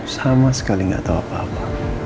sama sekali nggak tahu apa apa